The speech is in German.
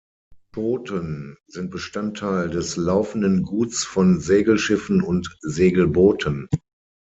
Schoten sind Bestandteil des Laufenden Guts von Segelschiffen und Segelbooten.